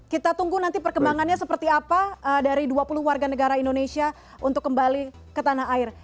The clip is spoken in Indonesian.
kita tunggu nanti perkembangannya seperti apa dari dua puluh warga negara indonesia untuk kembali ke tanah air